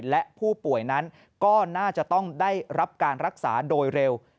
และผู้ป่วยนั้นก็น่าจะต้องได้รับการรักษาโดยเร็ว